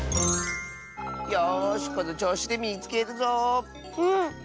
よしこのちょうしでみつけるぞ。